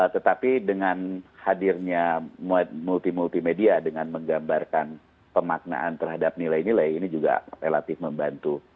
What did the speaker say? tetapi dengan hadirnya multi multimedia dengan menggambarkan pemaknaan terhadap nilai nilai ini juga relatif membantu